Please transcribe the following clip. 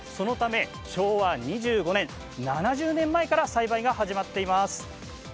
そのため昭和２５年７０年前から栽培が始まっています。